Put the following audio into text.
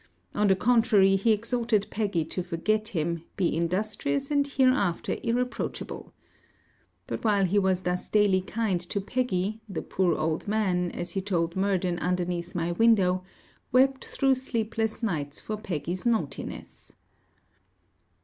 On the contrary, he exhorted Peggy to forget him, be industrious, and hereafter irreproachable. But while he was thus daily kind to Peggy, the poor old man, as he told Murden underneath my window, wept through sleepless nights for Peggy's naughtiness.